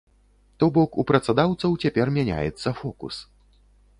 То бок, у працадаўцаў цяпер мяняецца фокус.